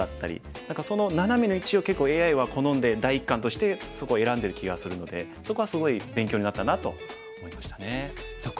何かそのナナメの位置を結構ＡＩは好んで第一感としてそこを選んでる気がするのでそこはすごい勉強になったなと思いましたね。